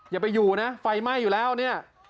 อย่าไปอยู่นะไฟไหม้อยู่แล้วเนี่ย